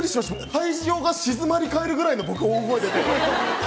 会場が静まり返るぐらいの僕大声出て。